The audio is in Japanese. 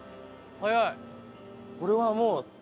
早い！